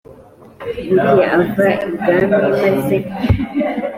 uriya ava ibwami maze.